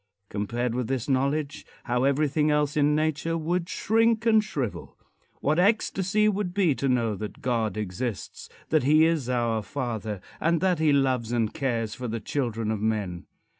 Compared with this knowledge, how everything else in nature would shrink and shrivel! What ecstasy it would be to know that God exists; that he is our father and that he loves and cares for the children of men!